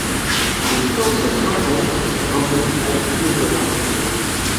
Les plantes grimpantes grimpaient avec plus d’audace.